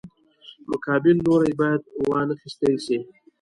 مقابل لوری باید وانخیستی شي.